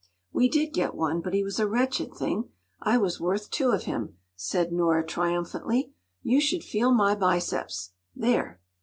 “We did get one, but he was a wretched thing. I was worth two of him,” said Nora triumphantly. “You should feel my biceps. There!